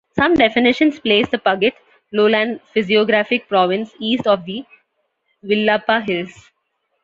Some definitions place the Puget Lowland physiographic province east of the Willapa Hills.